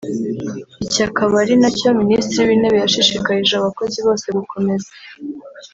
iki akaba ari na cyo Minisitiri w’Intebe yashishikarije abakozi bose gukomeza